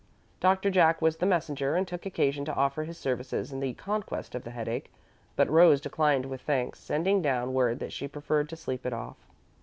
Doctor Jack was the messenger and took occasion to offer his services in the conquest of the headache, but Rose declined with thanks, sending down word that she preferred to sleep it off.